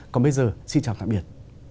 còn bây giờ xin chào tạm biệt